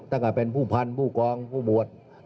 ตั้งแต่เป็นผู้พันธ์ผู้กองผู้บวช